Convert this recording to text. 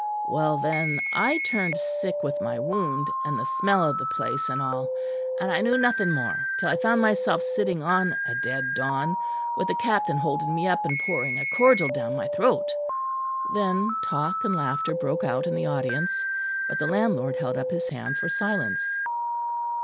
Well, then I turned sick with my wound and the smell of the place and all; and I knew nothing more till I found myself sitting on a dead don, with the captain holding me up and pouring a cordial down my throat." Then talk and laughter broke out in the audience; but the landlord held up his hand for silence.